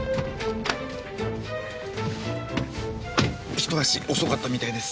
ひと足遅かったみたいです。